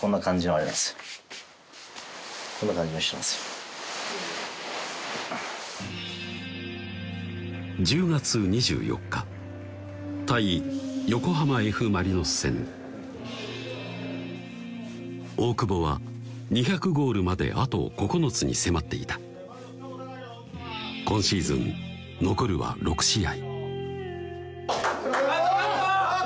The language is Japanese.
こんな感じの人なんすよ１０月２４日対横浜Ｆ・マリノス戦大久保は２００ゴールまであと９つに迫っていた今シーズン残るは６試合